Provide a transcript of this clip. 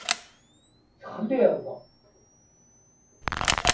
Texliḍ.